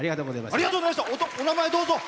お名前どうぞ。